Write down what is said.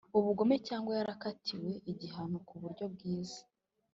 ubugome cyangwa yarakatiwe igihano ku buryo bwiza